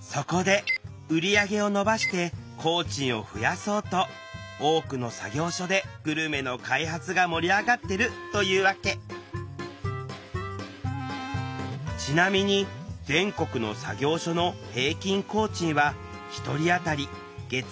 そこで売り上げを伸ばして工賃を増やそうと多くの作業所でグルメの開発が盛り上がってるというわけちなみに全国の作業所のちょっと亜美ちゃん